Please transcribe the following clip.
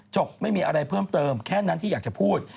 ไม่มีอะไรเพิ่มเติมแค่นั้นที่อยากจะพูด